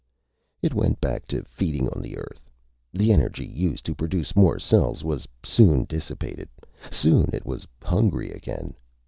It went back to feeding on the Earth. The energy, used to produce more cells, was soon dissipated. Soon it was hungry again.